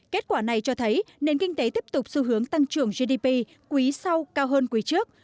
kết quả này cho thấy nền kinh tế tiếp tục xu hướng tăng trưởng gdp quý sau cao hơn quý trước